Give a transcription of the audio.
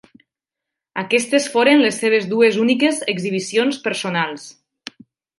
Aquestes foren les seves dues úniques exhibicions personals.